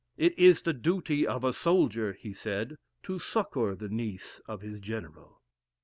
"It is the duty of a soldier," he said, "to succor the niece of his general."